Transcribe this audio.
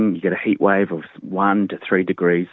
anda mendapatkan wawasan panas